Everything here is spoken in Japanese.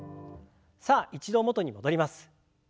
さあ一度元に戻ります。